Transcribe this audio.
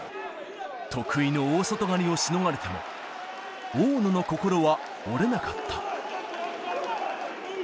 得意の大外刈りをしのがれても、大野の心は折れなかった。